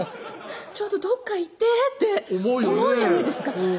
ちょっとどっか行ってって思うじゃないですか